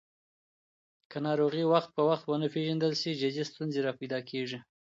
که ناروغي وخت په وخت ونه پیژندل شي، جدي ستونزې راپیدا کېږي.